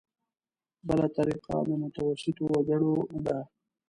بله طریقه د متوسطو وګړو ده.